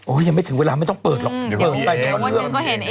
โอ้ยยังไม่ถึงเวลาไม่ต้องเปิดหรอกเดี๋ยวเจอเอง